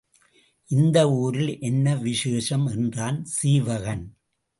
இந்த ஊரில் என்ன விசேஷம்? என்றான் சீவகன்.